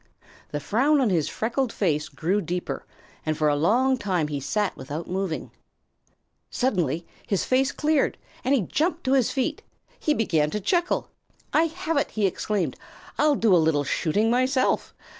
The frown on his freckled face grew deeper, and for a long time he sat without moving. Suddenly his face cleared, and he jumped to his feet. He began to chuckle. "I have it!" he exclaimed. "I'll do a little shooting myself!"